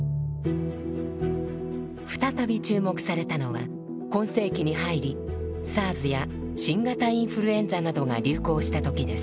再び注目されたのは今世紀に入りＳＡＲＳや新型インフルエンザなどが流行したときです。